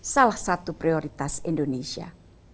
salah satu prioritas indonesia